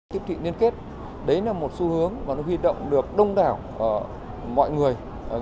tiếp thị liên kết đấy là một xu hướng và nó huy động được đông đảo mọi người